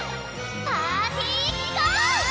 パーティゴォー！